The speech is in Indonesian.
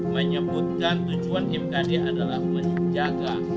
menyebutkan tujuan mkd adalah menjaga